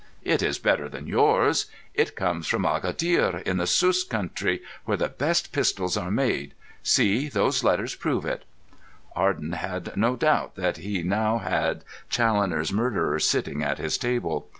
"It is better than yours. It comes from Agadhir, in the Sus country, where the best pistols are made. See, those letters prove it." Arden had no doubt that he had now Challoner's murderer sitting at his side.